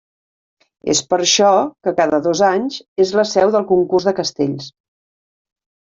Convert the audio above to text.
És per això que cada dos anys és la seu del concurs de castells.